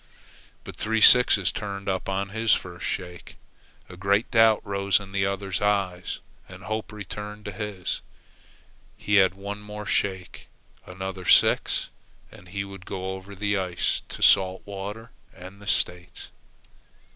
But three sixes turned up on his first shake. A great doubt rose in the other's eyes, and hope returned into his. He had one more shake. Another six and he would go over the ice to salt water and the States.